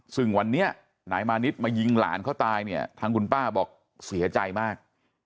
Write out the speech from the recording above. ซึ่งวันนี้นายมานิดมายิงหลานเขาตายเนี่ยทางคุณป้าบอกเสียใจมาก